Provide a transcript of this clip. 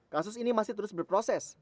kasus ini masih terus berproses